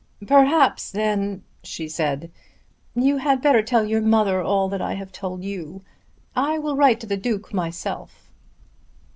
"Perhaps, then," she said, "you had better tell your mother all that I have told you. I will write to the Duke myself."